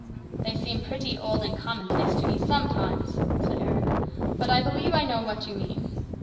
" They seem pretty old and commonplace to me sometimes," said Eric. " But I believe I know what you mean."